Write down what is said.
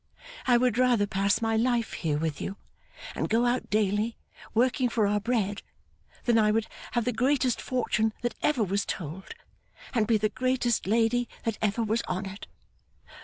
I would rather pass my life here with you, and go out daily, working for our bread, than I would have the greatest fortune that ever was told, and be the greatest lady that ever was honoured.